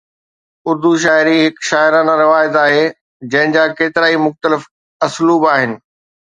اردو شاعري هڪ شاعرانه روايت آهي جنهن جا ڪيترائي مختلف اسلوب آهن.